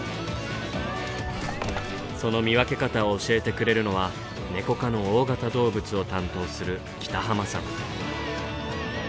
その見分け方を教えてくれるのはネコ科の大型動物を担当する北濱さん。